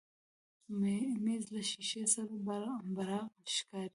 مېز له شیشې سره براق ښکاري.